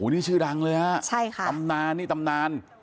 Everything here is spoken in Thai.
นี่ชื่อดังเลยฮะใช่ค่ะตำนานนี่ตำนาน